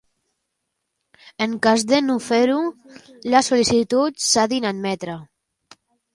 En cas de no fer-ho, la sol·licitud s'ha d'inadmetre.